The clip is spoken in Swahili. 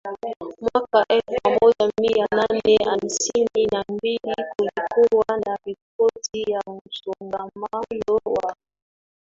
Mwaka elfu moja mia nane hamsini na mbili kulikuwa na ripoti ya msongamano wa